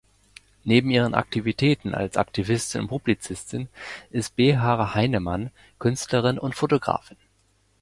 Neben ihren Aktivitäten als Aktivistin und Publizistin ist Behar Heinemann Künstlerin und Fotografin.